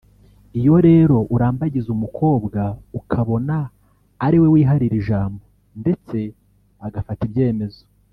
Iyo rero urambagiza umukobwa ukabona ari we wiharira ijambo ndetse agafata ibyemezo